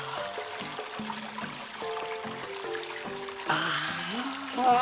ああ！